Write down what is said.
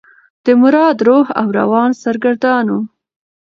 د مراد روح او روان سرګردانه و.